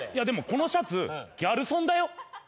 ⁉でもこのシャツギャルソンだよ？